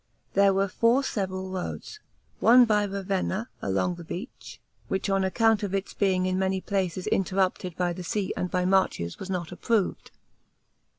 There were four several roads; one by Ravenna, along the beach, which on account of its being in many places interrupted by the sea and by marshes, was not approved.